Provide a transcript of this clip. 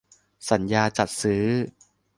สัญญาจัดซื้อ